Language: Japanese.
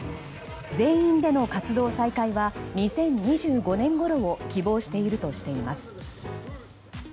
全員での活動再開は２０２５年ごろを希望しているとしています。